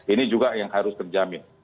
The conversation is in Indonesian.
ini juga yang harus terjamin